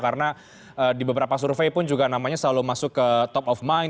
karena di beberapa survei pun juga namanya selalu masuk ke top of mind